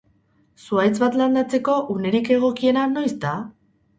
Zuhaitz bat landatzeko unerik egokiena noiz da?